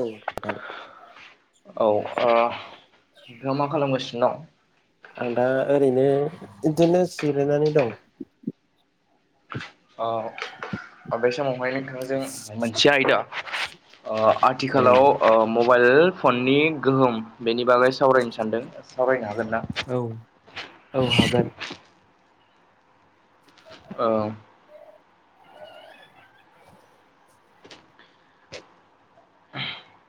औ नोंथां औ नोंथाङा मा खालामगासिनो दं आं दा ओरैनो बिदिनो जिरायनानै दं अ बे समावहाय जों मोनसे आयदा औ आथिखालाव मबाइल फननि गोहोम बेनि बागै सावरायनो सानदों सावरायनो हागोन ना औ औ हागोन औ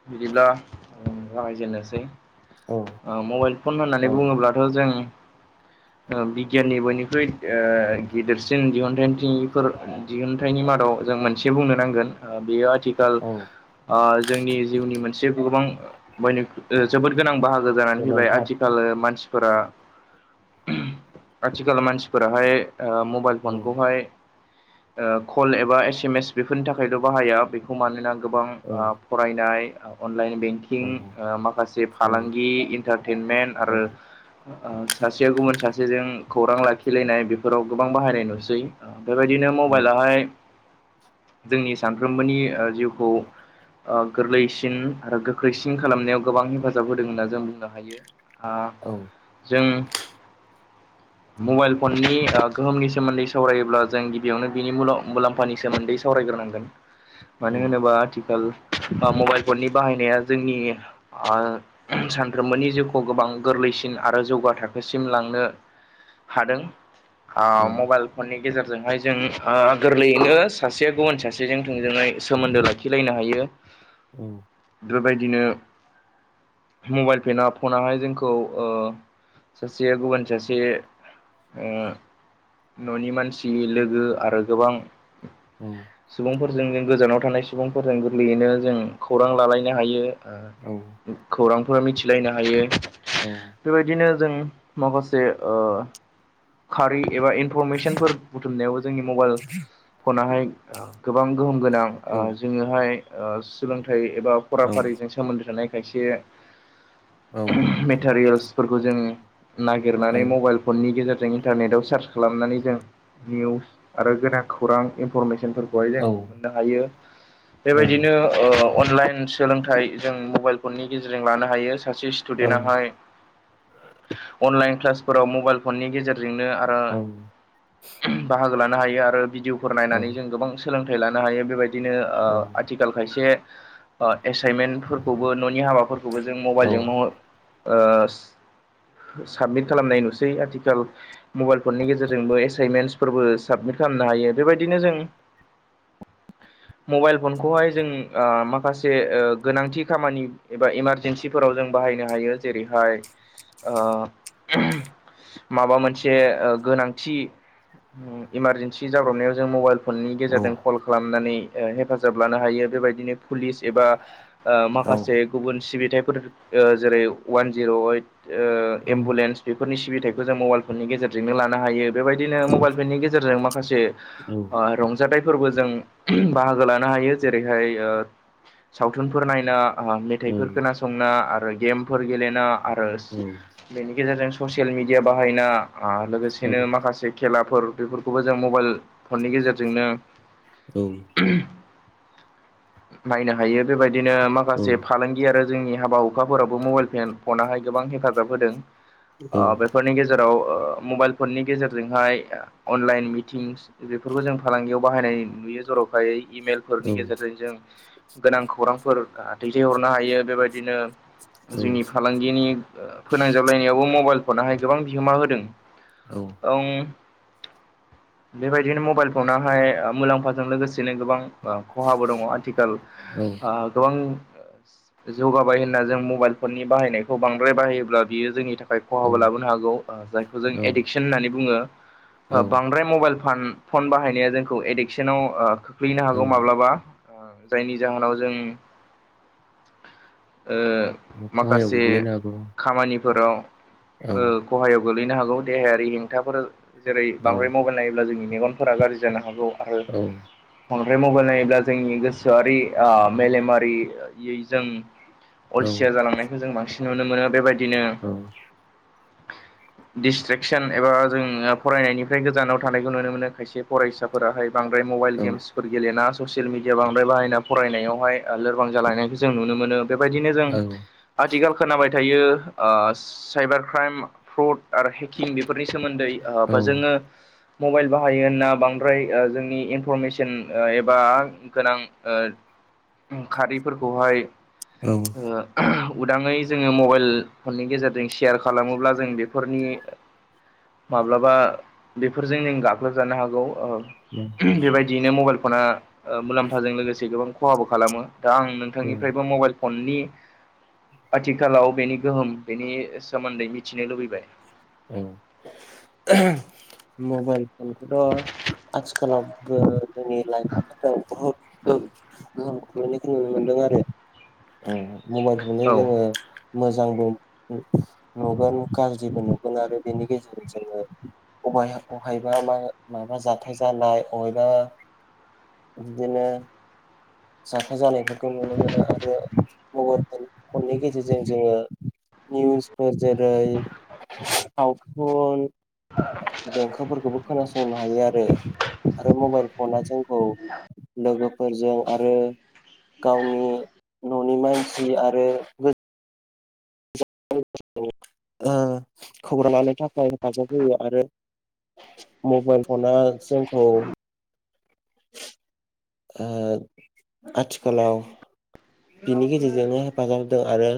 बिदिब्ला जागाय जेननोसै औ मबाइल फन होननानै औ बुङोब्लाथ' जों बिगियाननि बयनिख्रुइ गेदेरसिन दिहुनथाइथिंफोर दिहुनथाइनि मादाव जों मोनसे बुंनो नांगोन बेयो आथि खाल औ जोंनि जिउनि मोनसे गोबां बयनि जोबोद गोनां बाहागो जानानै फैबाय गोनांथार आथिखाल मानसि फोरा आथिखाल मानसिफोराहाय मबाइल औ फनखौहाय कल एबा एसेमेम बेफोरनि थाखायल' बाहाया बे खौ मानोना गोबां औ फरायनाय अनलाइन बेंक औ माखासे औ फालांगि इन्टारटेनमेन्ट औ आरो सासेया गुबुन सासेजों खौरां लाखिलायनाय बेफोराव गोबां बाहायनाय नुसै बेबायदिनो औ मबाइलाहाय जोंनि सानफ्रोमबोनि जिउखौ गोरलै‌ सिन आरो गोख्रैसिन खालामनायाव गोबां हेफाजाब होदों होनना जों बुंनो हायो औ जों मबाइल फननि गोहोमनि सोमोन्दै सावरायोब्ला जों गिबियावनो बिनि मुलाम्फानि सोमोन्दै सावरायग्रोनांगोन मानो औ होनोबा आथिखाल मबाइल फननि बाहायनाया जोंनि ओ सानफ्रोमबोनि जिउखौ गोबां गोरलैसिन आरो जौगा थाखोसिम लांनो हादों मबाइल फननि गेजेरजोंहाय जों गोरलैयैनो सासेया गुबुन सासेजों थोंजोङै सोमोन्दो लाखिलायनो हायो उम बेफोरबायदिनो मबाइल फेना फनाहाय जोंखौ सासेया गुबुन सासे न'नि मानसि लोगो आरो गोबां सुबुंफोरजों जों गोजानाव थानाय सुबुंफोरजों गोरलैयैनो जों खौरां लालायनो हायो औ खौरांफोर मिथिलायनो हायो। औ बेबायदिनो जों माखासे ओ खारि एबा इनफरमेसनफोर बुथुमनायाव जोंनि मबाइल फनाहाय ओ गोबां गोहोम गोनां ओ जोङोहाय सोलोंथाइ एबा फराफारिजों सोमोन्दो थानाय खायसे मेटारियेल्स फोरखौ जों नागिरनानै मबाइल फननि गेजेरजों इन्टारनेटआव सार्च खालामनानै जों निउस आरो गोनां खौरां इनफरमेसनफोर हाय जों मोननो हायो बेबायदिनो ओ अनलाइन सोलोंथाइ जों मबाइल फननि गेजेरजों लानो हायो सासे स्टुडेन्टआहाय अनलाइन क्लासफोराव मबाइल फननि गेजेरजोंनो आरो बाहागो लानो हायो आरो भिडिय' फोर नायनानै जों गोबां सोलोंथाइ लानो हायो बेबायदिनो ओ आथिखाल खायसे ओ एसाइनमेन्टफोरखौबो न'नि हाबाफोरखौबो जों मबाइलजों ओ साबमिट खालामनाय नुसै आथिखाल मबाइल फननि गेजेरजोंबो एसाइनमेन्टसफोरबो साबमिट खालामनो हायो बेबायदिनो जों मबाइल फनखौहाय जों आ माखासे ओ गोनांथि खामानि एबा इमारजेन्सिफोराव जों बाहायनो हायो। जेरैहाय ओ [inaudible] माबा मोनसे ओ गोनांथि इमारजेन्सि जाब्रबनायाव जों मबाइल फननि गेजेरजों कल खालामनानै हेफाजाब लानो हायो बेबायदिनो पुलिस एबा ओ माखासे गुबुन सिबिथायफोर ओ जेरै वान जिर' ओइट ओ एम्बुलेन्स बेफोरनि सिबिथायखौ जों मबाइल गेजेरजोंनो लानो हायो बेबायदिनो मबनि गेजेरजों माखसे ओ रं जाथायफोरबो जों बाहागो लानो हायो जेरैहाय ओ सावथुनफोर नायना मेथाइफोर खोनासंना आरो गेमफोर गेलेना आरो औ बेनि गेजेरजों ससियेल मिडिया बाहायना आ लोगोसेनो माखासे खेलाफोर बेफोरखौबो जों मबाइल फननि गेजेरजोंनो औ उ नायनो हायो बेबायदिनो माखासे फालां जोंनि हाबा हुखाफोराबबो मबाइल फेन- फनाहाय गोबां हेफाजाब होदों बेफोरनि गेज जेराव मबाइल फननि गेजेरजोंहाय अनलाइन मिटिंस बेफोरखौ जों फालांगियाव बाहायनाय नुयो जर'खायै फोरनि गेजेरजों जों गोनां खौरांफोर दैथायहरनो हायो बेबायदिनो जोंनि फालांगिनि फोनांजाबलायनायावबो मबाइल फनहाय गोबां बिहोमा होदों। औ ं बेबायदिनो मबाइल फनाहाय मुलाम्फाजों लोगोसेनो गोबां ओ खहाबो दङ आथिखाल औ आ गोबां जौगाबाय होनना जों मबाइल फननि बाहायनायखौ बांद्राय बाहायोब्ला बियो जोंनि थाखाय औ खहाबो लाबोनो हागौ जायखौ जों औ एडिक्सन होननानै औ बुङो बांद्राय मबाइल फान- फन बाहायनाया जोंखौ एडिकसनाव ओ खोख्लैनो औ हागौ माब्लाबा जायनि जाहोनाव जों ओ खहायाव माखासे गोग्लैनो हागौ खामानिफोराव औ ओ खहायाव गोल्लैनो हागौ देहायारि हेंथाफोर जेरै औ बांद्राय मबाइल नायोब्ला जोंनि मेगन फोरा गाज्रि जानो हागौ आरो औ आरो मबाइल नायोब्ला जोंनि गोसोआरि आ मेलेमारि जों औ अलसिया जालांनायखौ जों बांसिन नुनो मोनो बेबायदिनो औ दिडिसट्रेकसन एबा जोंङ फरायनायनिफ्राय गोजानाव थानायखौ नुनो मोनो खायसे फरायसाफोराहाय बांद्राय मबाइल औ गेम्स ससियेल मिडिया बांद्राय बाहायना फरायनायावहाय लोरबां जालायनायखौ जों नुनो मोनो। बेबायदिनो जों औ आथिखाल खोनाबाय थायो ओ साइबार क्राइम फ्रड आरो हेकिं बेफो फोरनि सोमोन्दै ओ बा जोङो मबाइल बाहायो होनना बांद्राय ओ जोंनि इनफरमेस सन एबा गोनां ओ खारिफोरखौहाय औ। ओ उदाङै जोङो मबाइल फननि गेजेरजों सेयार खालामोब्ला जों बेफोरनि [inaudible] माब्लाबा बेफोरजों गाख्लोबजानो हागौ ओ बेबायदियैनो मबाइल फना ओ मुलाम्फाजों लोगोसे गोबां खहाबो खालामो दा आं औ नोंथांनिफ्रायबो मबाइल फननि आथिखालाव बेनि गोहोम बेनि सोमोन्दै मिथिनो लुबैबाय। मबाइल फनखौथ' आथिखालाव फोर जोंनि लाइमोनफोर बहुत गो-गोहोम खोख्लैनायखौ नुनो मोनदों आरो। ओं मबाइलखौनो औ जोङो मोजांबो नुगोन गाज्रिबो नुगोन आरो बेनि गेजेरजों जोङो अबहाय अबहायबा मा माबा जाथाय जानाय अबहायबा बिदिनो जाथाय जानायफोरखौ नुनो मोनो आरो मबाइल फन फननि गेजेरजों जोङो निउसफोर जेरै सावथुन देंखोफोरखौबो खोनासंनो हायो आरो आरो मबाइल फनआ जोंखौ लोगोफोरजों आरो गावनि न'नि मानसि आरो ओ खौरां लानो थाखाय हेफाजाब होयो आरो मबाइल फनआ जोंखो ओ आथिखालाव बिनि गेजेरजोंनो हेफाजाब होदों आरो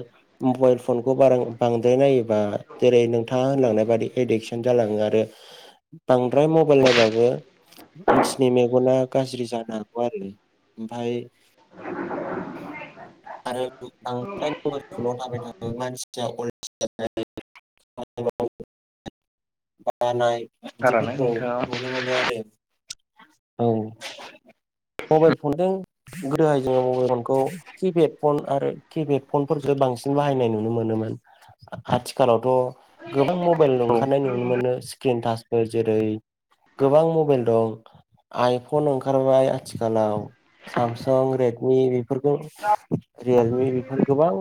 मबाइल फनखौ बार बांद्राय नायोबा जेरै नोंथाङा होनलांनाय बादि एडिकसन जालाङो आरो बांद्राय मबाइल नायबाबो मानसिनि मेगना गाज्रि जानो हागौ आरो ओमफाय [unintelligible] बानाय बानाय बायदिफोरखौ नुनो थारानो मोनो नोंथाङा औ आरो। औ मबाइल फनदों गोदोहाय जोङो मबाइल फनखौ किपेड फन आरो किपेड फनफोरफोरखौ बांसिन बाहायनाय नुनो मोनोमोन। आथिखालावथ' गोबां मबाइल ओंखारनाय नु नुनो मोनो स्क्रिन टाचफोर जेरै गोबां मबाइल दं। आइ फन ओंखारबाय आथिखालाव सामसं रेडमि बेफोरखौ रियेलमि बेफोर गोबां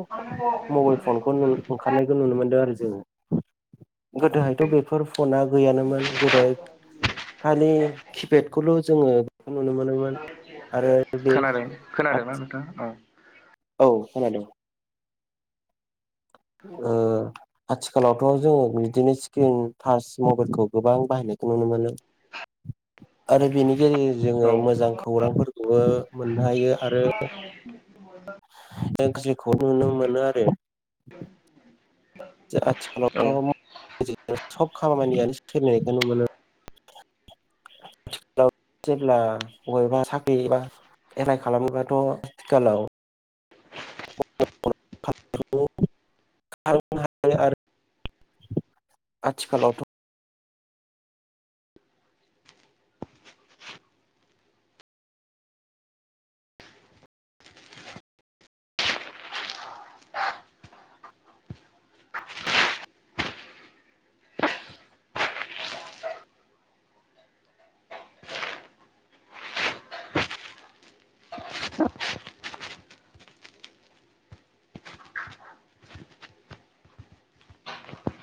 मबाइल फनखौ ओंखारनायखौ नुनो मोनदों आरो जों। गोदोहायथ' बेफोर फनआ गैयानोमोन गोदो खालि खिपेडखौल' जोङो नुनो मोनोमोन। आरो बे खोनादों खोनादोंना नोंथां औ। औ खोनादों। ओ आथिखालावथ' जोङो बिदिनो स्क्रिन थाच मबाइलखौ गोबां बाहायनायखौ नुनो मोनो। आरो बेनि गेजेरजों जोङो औ मोजां खौरांफोरखौबो मोननो हायो आरो‌ एकजिखौ नुनो मोनो आरो औ आथिखालावथ' गासैबो सब खामानियानो सोलिनायखौ नुनो मोनो। आथिखालाव जेब्ला बबेबा साख्रि एबा एप्लाइ खालामोबाथ' आथिखालाव [unintelligible] [unintelligible] आथिखालावथ'